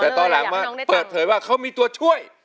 แต่ตอนหลังมาเปิดเผยว่าเขามีตัวช่วย